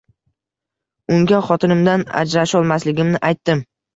Unga xotinimdan ajrasholmasligimni aytdim